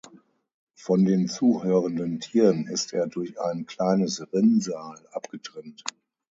Von den zuhörenden Tieren ist er durch ein kleines Rinnsal abgetrennt.